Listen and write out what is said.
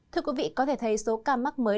thưa quý vị có thể thấy số ca mắc mới